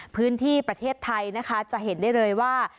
พื้นที่ประเทศไทยนะคะจะเห็นได้เลยว่า